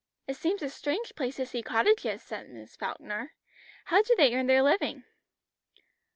"It seems a strange place to see cottages," said Miss Falkner. "How do they earn their living?"